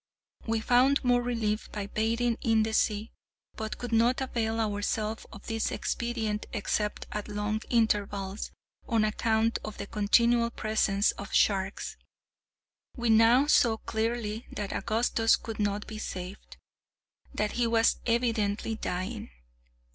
We found more relief by bathing in the sea, but could not avail ourselves of this expedient except at long intervals, on account of the continual presence of sharks. We now saw clearly that Augustus could not be saved; that he was evidently dying.